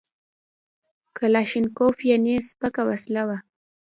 کلاشینکوف یعنې سپکه وسله وه